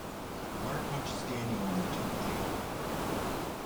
Mark punches Daniel and the two fight.